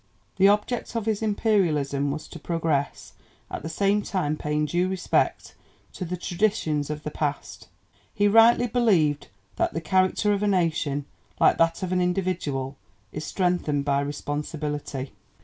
The object of his imperialism was to progress, at the same time paying due respect to the traditions of the past; he rightly believed that the character of a nation, like that of an individual, is strengthened by responsibility.